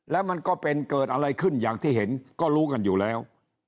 แล้วมันก็เป็นเกิดอะไรขึ้นอย่างที่เห็นก็รู้กันอยู่แล้ว